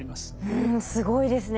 うんすごいですね。